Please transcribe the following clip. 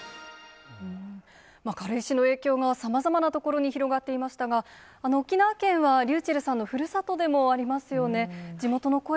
軽石の影響がさまざまな所に広がっていましたが、沖縄県はリュウチェルさんのふるさとでもありますよね。